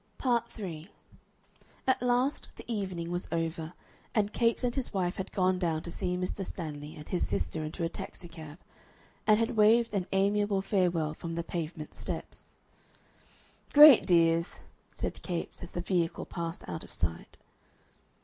Part 3 At last the evening was over, and Capes and his wife had gone down to see Mr. Stanley and his sister into a taxicab, and had waved an amiable farewell from the pavement steps. "Great dears!" said Capes, as the vehicle passed out of sight.